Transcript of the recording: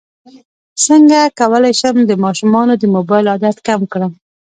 څنګه کولی شم د ماشومانو د موبایل عادت کم کړم